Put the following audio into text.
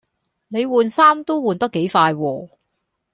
你換衫都換得幾快喎